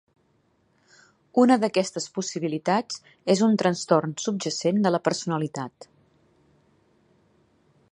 Una d'aquestes possibilitats és un trastorn subjacent de la personalitat.